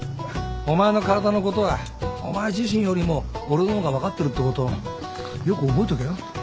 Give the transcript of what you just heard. お前の体のことはお前自身よりも俺の方が分かってるってことよく覚えとけよ。